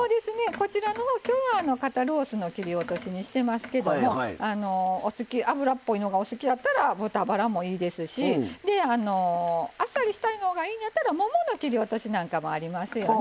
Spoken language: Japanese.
こちらのほう肩ロースの切り落としにしていますけど脂っぽいのが好きな方は豚ばらもいいですしあっさりしたいのがいいんやったらももの切り落としなんかもありますよね。